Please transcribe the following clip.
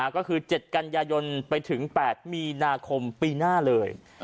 ก็คือ๗กันยายนไปถึง๘มีนาคมปีหน้าเลย